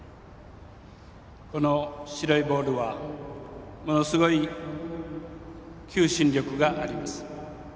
この白いボールはものすごい求心力があります。